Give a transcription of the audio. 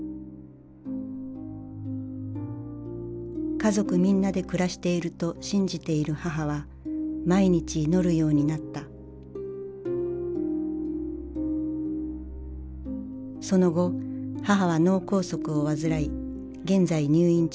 家族みんなで暮らしていると信じている母は毎日祈るようになったその後母は脳梗塞を患い現在入院中である。